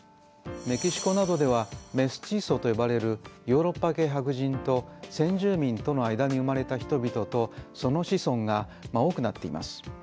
メキシコなどではメスチーソと呼ばれるヨーロッパ系白人と先住民との間に生まれた人々とその子孫が多くなっています。